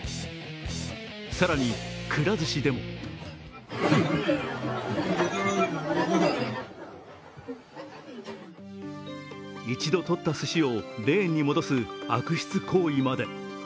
更に、くら寿司でも一度取ったすしをレーンに戻す悪質行為まで。